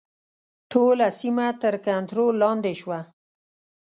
ټوله سیمه تر کنټرول لاندې شوه.